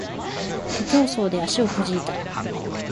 徒競走で足をくじいた